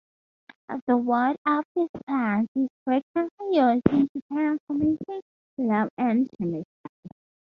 The wood of this plant is frequently used in Japan for making low-end shamisen.